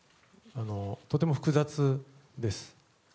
とても複雑です。